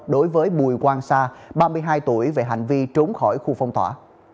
đối với bùi quang sa ba mươi hai tuổi về hành vi trốn khỏi khu phong tỏa